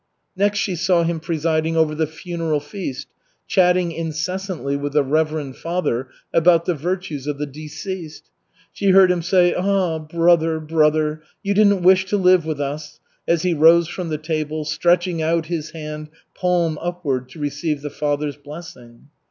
Next she saw him presiding over the funeral feast, chatting incessantly with the reverend father about the virtues of the deceased. She heard him say, "Ah, brother, brother, you didn't wish to live with us," as he rose from the table, stretching out his hand, palm upward, to receive the father's blessing.